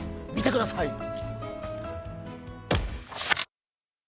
見てください。